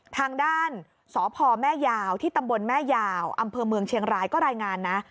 ทางด้านสพแม่ยาวที่ตำบลแม่ยาวอำเภอเมืองเชียงรายก็รายงานนะ